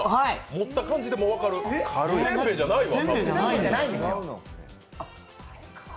持った感じで分かる、せんべいじゃないわ。